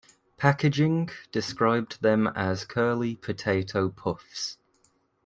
Packaging described them as "curly potato puffs".